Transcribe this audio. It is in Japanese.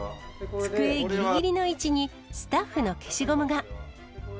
机ぎりぎりの位置に、スタッフの消しゴムが。